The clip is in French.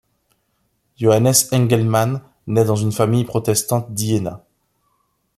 Johannes Engelmann naît dans une famille protestante d'Iéna.